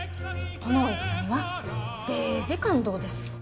このおいしさにはデージ感動です。